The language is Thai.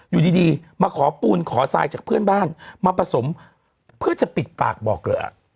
อยู่ดีมาขอปูนขอทรายจากเพื่อนบ้านมาผสมเพื่อจะปิดปากบอกเหลือ